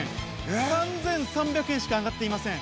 ３３００円しか上がっていません。